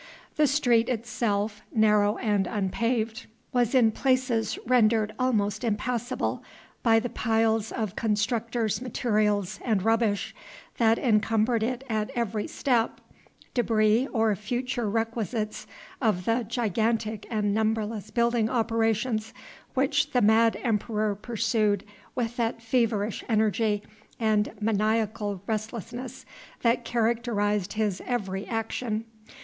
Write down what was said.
The street itself narrow and unpaved was in places rendered almost impassable by the piles of constructor's materials and rubbish that encumbered it at every step debris or future requisites of the gigantic and numberless building operations which the mad Emperor pursued with that feverish energy and maniacal restlessness that characterised his every action.